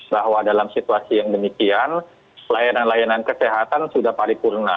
bahwa dalam situasi yang demikian layanan layanan kesehatan sudah paripurna